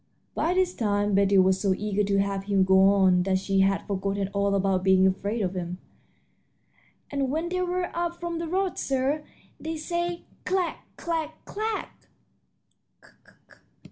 By this time Betty was so eager to have him go on that she had forgotten all about being afraid of him. "And when they whir up from the road, sir, they say, 'Clack! clack! clack!'"